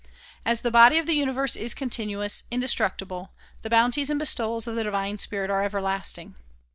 As the body of the universe is continuous, indestructible, the bounties and bestowals of the divine spirit are everlasting.